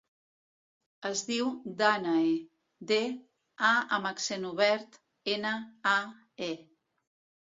Es diu Dànae: de, a amb accent obert, ena, a, e.